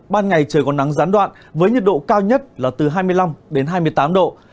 ban ngày trời còn nắng gián đoạn với nhiệt độ cao nhất là từ hai mươi năm đến hai mươi tám độ